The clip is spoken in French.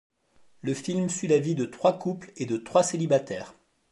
Le film suit la vie de trois couples et de trois célibataires.